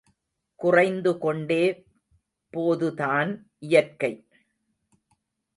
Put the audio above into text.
குறைந்துகொண்டே போதுதான் இயற்கை.